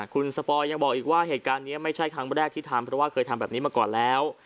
คุณสปอยยังบอกอีกว่าเหตุการณ์นี้ไม่ใช่ครั้งแรกที่ทำเพราะว่าเคยทำแบบนี้มาก่อนแล้ว